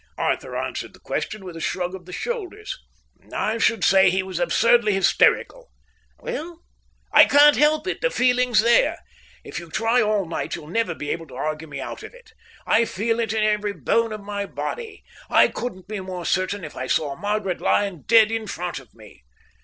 Arthur answered the question with a shrug of the shoulders. "I should say he was absurdly hysterical." "Well?" "I can't help it, the feeling's there. If you try all night you'll never be able to argue me out of it. I feel it in every bone of my body. I couldn't be more certain if I saw Margaret lying dead in front of me."